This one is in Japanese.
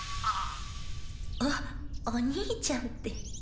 おおにいちゃんって。